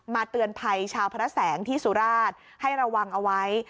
เตือนภัยชาวพระแสงที่สุราชให้ระวังเอาไว้